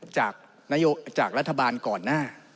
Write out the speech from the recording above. จากรัฐบาลก่อนหน้า